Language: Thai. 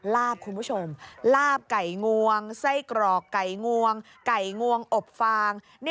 ลาบคุณผู้ชมลาบไก่งวงไส้กรอกไก่งวงไก่งวงอบฟาง